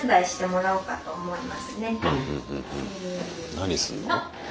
何すんの？